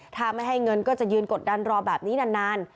ถ้าไม่ให้เงินก็จะยืนกดดันรอแบบนี้นาน